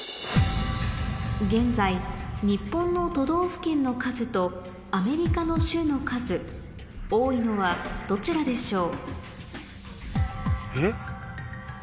現在日本の都道府県の数とアメリカの州の数多いのはどちらでしょう？